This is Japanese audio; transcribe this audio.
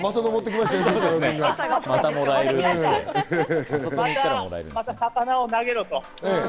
また魚を投げろと。